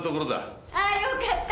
ああよかった。